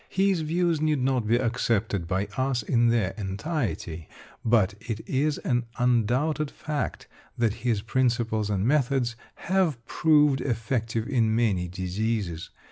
His views need not be accepted by us in their entirety, but it is an undoubted fact that his principles and methods have proved effective in many diseases.